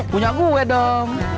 punya gua dong